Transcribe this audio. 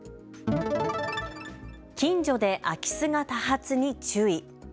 近所で空き巣が多発に注意。